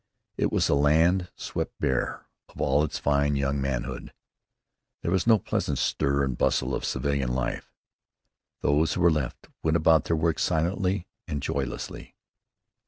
It was a land swept bare of all its fine young manhood. There was no pleasant stir and bustle of civilian life. Those who were left went about their work silently and joylessly.